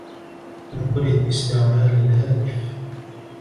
لم أرد استعمال الهاتف.